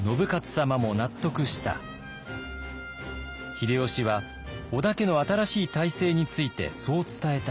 秀吉は織田家の新しい体制についてそう伝えた